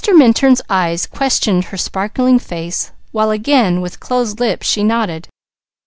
Minturn's eyes questioned her sparkling face, while again with closed lips she nodded.